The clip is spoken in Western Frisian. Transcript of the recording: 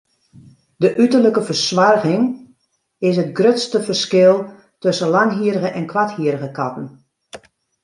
De uterlike fersoarging is it grutste ferskil tusken langhierrige en koarthierrige katten.